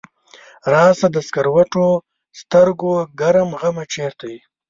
راشه د سکروټو سترګو ګرم غمه چرته یې؟